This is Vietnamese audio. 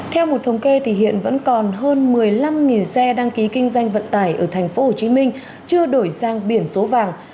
theo một thống kê thì hiện vẫn còn hơn một mươi năm xe đăng ký kinh doanh vận tải ở tp hcm chưa đổi sang biển số vàng